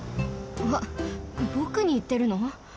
わっぼくにいってるの？